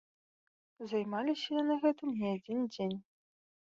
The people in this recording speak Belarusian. Займаліся яны гэтым не адзін дзень.